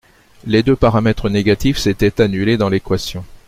Les deux paramètres négatifs s’étaient annulés dans l’équation.